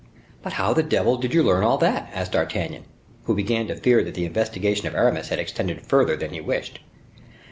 "But how the devil did you learn all that?" asked D'Artagnan, who began to fear that the investigation of Aramis had extended further than he wished.